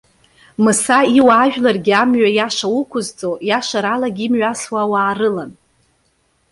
Мыса иуаажәларгьы амҩа иаша уқәызҵо, иашаралагьы имҩасуа ауаа рылан.